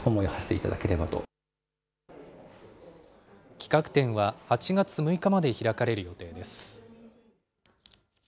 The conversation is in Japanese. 企画展は８月６日まで開かれる予定です。